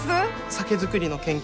酒造りの研究